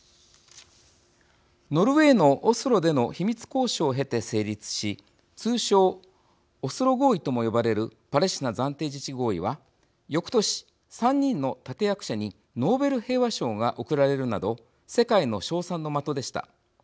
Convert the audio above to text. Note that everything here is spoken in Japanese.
ノルウェーのオスロでの秘密交渉を経て成立し通称オスロ合意とも呼ばれるパレスチナ暫定自治合意はよくとし３人の立て役者にノーベル平和賞が贈られるなど世界の称賛の的でした。